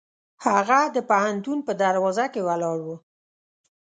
هغه د پوهنتون په دروازه کې ولاړ و.